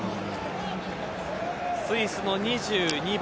スイスの２２番。